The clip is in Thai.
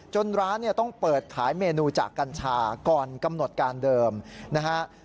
ร้านเนี่ยต้องเปิดขายเมนูจากกัญชาก่อนกำหนดการเดิมนะฮะ